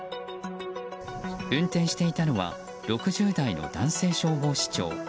運転していたのは６０代の男性消防士長。